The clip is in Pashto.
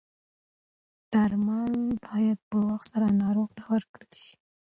درمل باید په وخت سره ناروغ ته ورکړل شي.